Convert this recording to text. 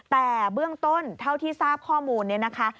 แต่เบื้องต้นเท่าที่ทราบข้อมูลนี้นะคะ